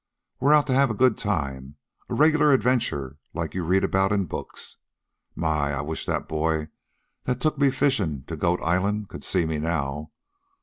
We're out to have a good time, a regular adventure like you read about in books. My! I wish that boy that took me fishing to Goat Island could see me now.